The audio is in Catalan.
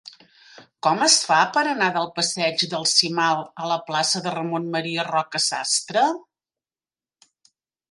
Com es fa per anar del passeig del Cimal a la plaça de Ramon M. Roca Sastre?